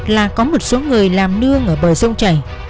là có một số người làm nương ở bờ sông chảy